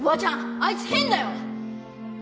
あいつ変だよ